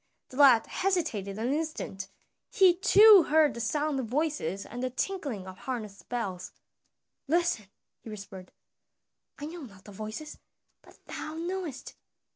The lad hesitated an instant; he too heard the sound of voices and the tinkling of harness bells. "Listen," he whispered, "I know not the voices, but thou knowest."